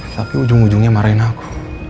tapi ujung ujungnya marahin aku